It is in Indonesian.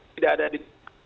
tidak ada di